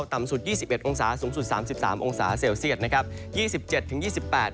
ต่ำสุด๒๑องศาสูงสุด๓๓องศาเซลเซียต